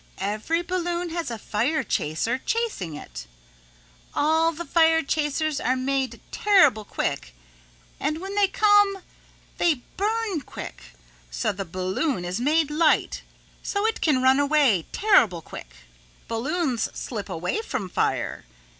Every balloon has a fire chaser chasing it. All the fire chasers are made terrible quick and when they come they burn quick, so the balloon is made light so it can run away terrible quick. Balloons slip away from fire.